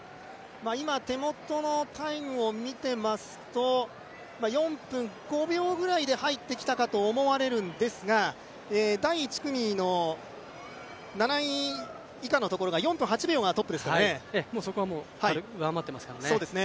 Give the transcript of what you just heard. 今、手元のタイムを見てますと４分５秒ぐらいで入ってきたかと思われるんですが第１組の７位以下のところが４分８秒がトップですからねそこはもう、上回っていますからね。